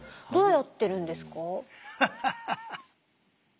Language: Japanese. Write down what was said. ハハハハ！